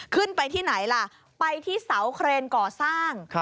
ขึ้นไปที่ไหนล่ะไปที่เสาเครนก่อสร้าง